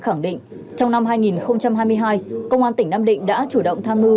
khẳng định trong năm hai nghìn hai mươi hai công an tỉnh nam định đã chủ động tham mưu